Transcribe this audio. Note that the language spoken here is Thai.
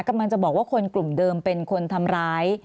กำลังจะบอกว่าคนกลุ่มเดิมเป็นคนทำร้าย